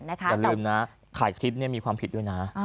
อย่าลืมนะถ่ายคลิปนี้มีความผิดด้วยนะ